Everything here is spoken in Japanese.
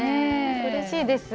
うれしいです。